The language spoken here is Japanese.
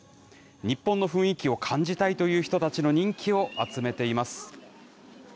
日本の雰囲気を感じたいという人たちの人気を集めています。